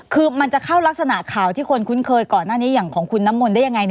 คือมันจะเข้ารักษณะข่าวที่คนคุ้นเคยก่อนหน้านี้อย่างของคุณน้ำมนต์ได้ยังไง